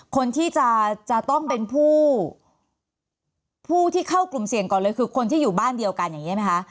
คนที่จะต้องเป็นผู้ที่เข้ากลุ่มเสี่ยงก่อนเลยคือคนที่อยู่บ้านเดียวกันอย่างนี้ใช่ไหมคะ